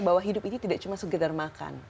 bahwa hidup ini tidak cuma segedar makan